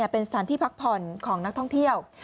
เป็นสถานที่พักผ่อนของนักท่องเที่ยว